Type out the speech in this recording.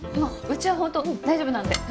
うちは本当大丈夫なんで。